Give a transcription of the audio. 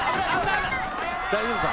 大丈夫か？